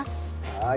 はい。